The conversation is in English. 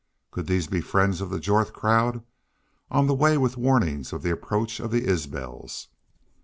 Could these be friends of the Jorth crowd, on the way with warnings of the approach of the Isbels?